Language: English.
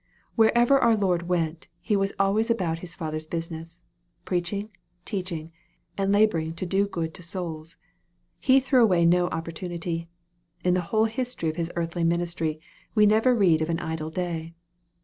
Wherever our Lord went, He was always about His Father's business, preaching, teaching, and laboring to do good to souls. He threw away no opportunity. In the whole history of His earthly ministry, we never read of an idle day.